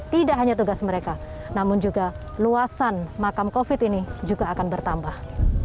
tidak hanya tugas mereka namun juga luasan makam covid ini juga akan bertambah